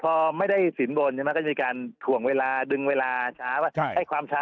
แต่ไม่ได้ศีลโบรณนะก็ยังมีการทวงเวลาดึงเวลาช้า